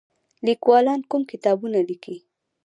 لیکوالان کوم کتابونه لیکي؟